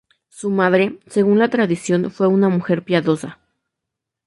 Su madre, según la tradición, fue una mujer piadosa.